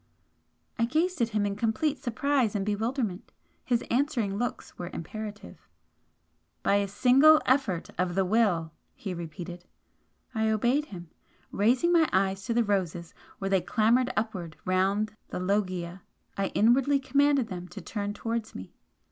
I gazed at him in complete surprise and bewilderment. His answering looks were imperative. "By a single effort of the will!" he repeated. I obeyed him. Raising my eyes to the roses where they clambered upwards round the loggia, I inwardly commanded them to turn towards me.